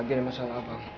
bagi ada masalah abang